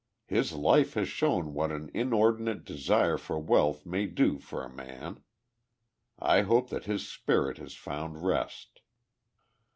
His life has shown what an inordinate desire for wealth may do for a man. I hope that his spirit has found rest."